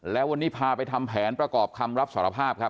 แล้ววันนี้พาไปทำแผนประกอบคำรับสารภาพครับ